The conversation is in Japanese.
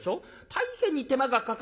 大変に手間がかかるんですよ。